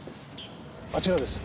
あちらです。